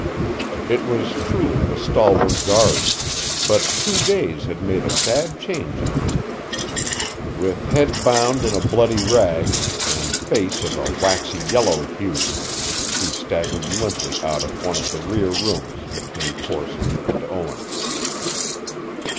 It was truly the stalwart guard; but two days had made a sad change in him. With head bound in a bloody rag, and face of a waxy yellow hue, he staggered limply out of one of the rear rooms between Corson and Owens.